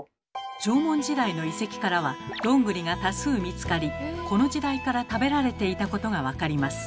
縄文時代の遺跡からはどんぐりが多数見つかりこの時代から食べられていたことが分かります。